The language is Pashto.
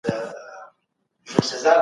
پوهنتون ته لاړ سئ.